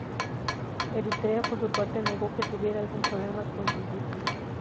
Eritrea por su parte negó que tuviera algún problema con Yibuti.